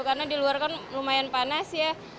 karena di luar kan lumayan panas ya